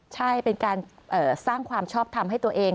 ใช่เป็นการสร้างความชอบทำให้ตัวเอง